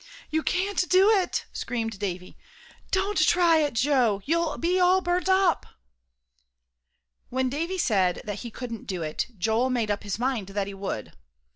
"You can't do it," screamed Davie; "don't try it, Joe, you'll be all burnt up." When Davie said that he couldn't do it, Joel made up his mind that he would.